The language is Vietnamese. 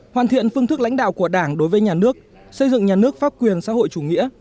hoàn thiện phương thức lãnh đạo của đảng đối với nhà nước xây dựng nhà nước pháp quyền xã hội chủ nghĩa